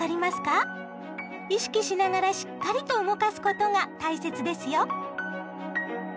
意識しながらしっかりと動かすことが大切ですよ！